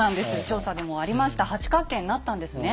調査にもありました八角形になったんですね。